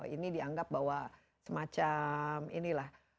ini dianggap bahwa semacam inilah